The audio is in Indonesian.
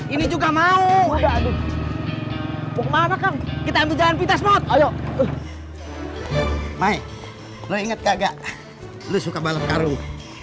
ini juga mau mau kemana kan kita ambil jalan pita semut ayo mai lo inget kagak lu suka balap karung